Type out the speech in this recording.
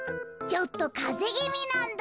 ちょっとかぜぎみなんだ。